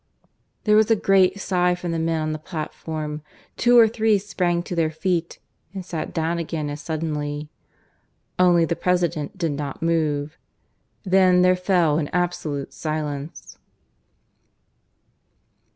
... There was a great sigh from the men on the platform; two or three sprang to their feet, and sat down again as suddenly. Only the President did not move. Then there fell an absolute silence.